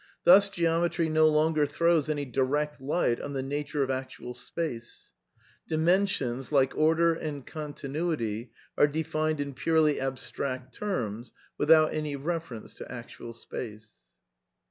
Thus Ge \^ ometry no longer throws any direct light on the nature of actual^^'''^ spacfs. ••• Dimensions, like order and continuity, are defined in purely abstract terms, without any reference to actual space."